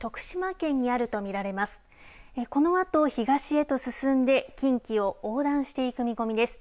このあと東へと進んで近畿を横断していく見込みです。